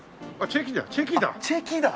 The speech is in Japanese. チェキだ！